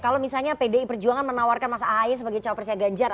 kalau misalnya pdi perjuangan menawarkan mas ahe sebagai cowok perusahaan ganjar